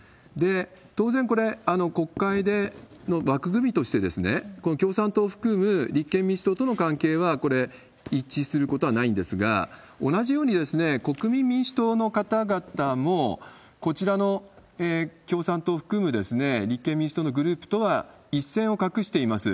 当然これ、国会での枠組みとして、この共産党を含む立憲民主党との関係は、これ、一致することはないんですが、同じように、国民民主党の方々もこちらの共産党を含む立憲民主党のグループとは一線を画しています。